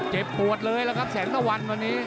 เจ็บปวดเลยล่ะครับแสงตะวันวันนี้